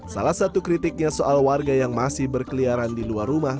salah satu kritiknya soal warga yang masih berkeliaran di luar rumah